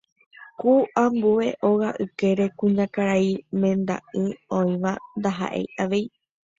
ku ambue hóga ykére kuñakarai mendare'ỹ oĩva ndaha'éi avei